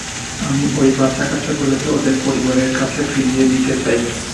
আমি ঐ বাচ্চা-কাচ্চাগুলোকে ওদের পরিবারের কাছে ফিরিয়ে দিতে চাই।